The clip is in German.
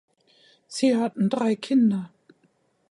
Sie hatten drei Kinder.